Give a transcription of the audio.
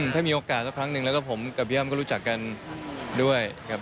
ถ้ามีโอกาสสักครั้งหนึ่งแล้วก็ผมกับพี่อ้ำก็รู้จักกันด้วยครับ